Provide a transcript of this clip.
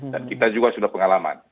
dan kita juga sudah pengalaman